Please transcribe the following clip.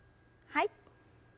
はい。